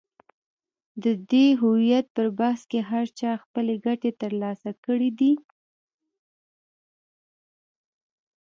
د دې هویت پر بحث کې هر چا خپلې ګټې تر لاسه کړې دي.